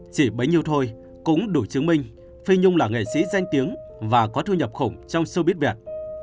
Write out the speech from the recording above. chỉ bấy nhiêu thôi cũng đủ chứng minh phi nhung là nghệ sĩ danh tiếng và có thu nhập khủng trong xe buýt việt